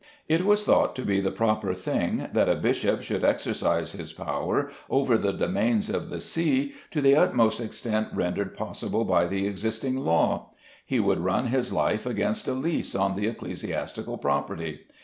It was thought to be the proper thing that a bishop should exercise his power over the domains of the see to the utmost extent rendered possible by the existing law. He would run his life against a lease on the ecclesiastical property.